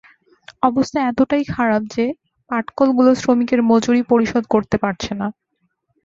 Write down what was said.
অবস্থা এতটাই খারাপ হয়েছে যে পাটকলগুলো শ্রমিকের মজুরি পরিশোধ করতে পারছে না।